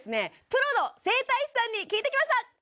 プロの整体師さんに聞いてきました